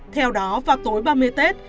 theo đó vào tối ba mươi tết